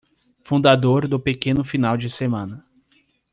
Fundador do pequeno final de semana